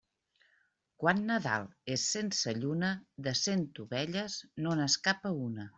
Quan Nadal és sense lluna, de cent ovelles no n'escapa una.